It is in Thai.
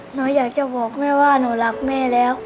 หนูอยากจะบอกแม่ว่าหนูรักแม่แล้ว